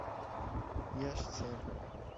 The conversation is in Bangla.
ইয়েশ, স্যার।